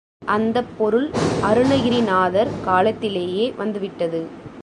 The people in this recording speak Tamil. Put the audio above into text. அந்தப் பொருள் அருணகிரிநாதர் காலத்திலேயே வந்துவிட்டது.